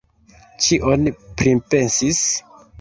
Ĉion pripensis.